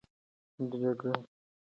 د جګړې په ډګر کې وینه تویېږي.